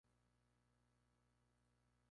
Algunas pueden contener algas verdes simbiontes.